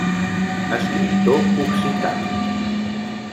Escriptor occità.